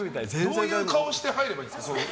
どういう顔して入っていけばいいんですか。